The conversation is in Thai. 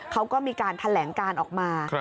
เขาก็มีการแถลงการออกมา